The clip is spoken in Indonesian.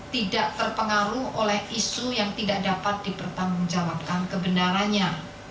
tidak terpengaruh oleh isu yang tidak dapat dipertanggungjawabkan kebenarannya